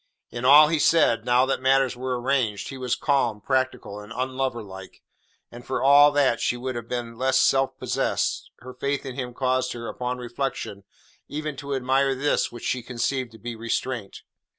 In all he said, now that matters were arranged he was calm, practical, and unloverlike, and for all that she would he had been less self possessed, her faith in him caused her, upon reflection, even to admire this which she conceived to be restraint.